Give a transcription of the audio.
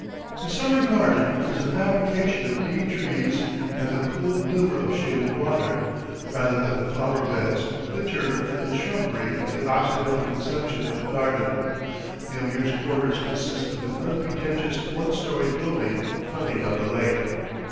The summer garden is a fabrication of green trees and the cool glimmer of shaded water, rather than the flower beds, the turf, and shrubbery of the Occidental conception of a garden; the Ameer's quarters consist of an un pretentious one storied building fronting on the lake.